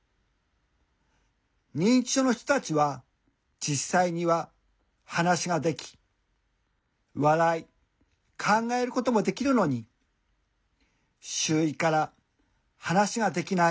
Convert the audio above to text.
認知症の人たちは実際には話ができ笑い考えることもできるのに周囲から『話ができない』